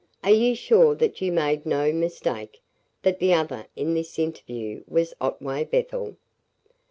"Are you sure that you made no mistake that the other in this interview was Otway Bethel?"